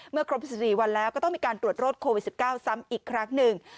ครบ๑๔วันแล้วก็ต้องมีการตรวจโรคโควิด๑๙ซ้ำอีกครั้งหนึ่ง